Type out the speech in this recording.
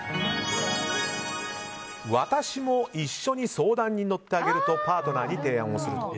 私も一緒に相談に乗ってあげるとパートナーに提案すると。